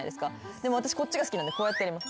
でも私こっちが好きなんでこうやってやります。